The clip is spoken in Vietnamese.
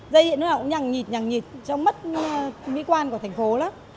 dây điện nó cũng nhằng nhịt nhằng nhịt trống mất mỹ quan của thành phố lắm